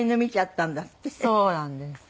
そうなんです。